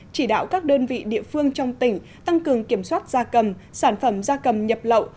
chỉ đạo các đơn vị địa phương trong tỉnh tăng cường kiểm soát da cầm sản phẩm da cầm nhập lậu